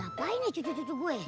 aduh gue disial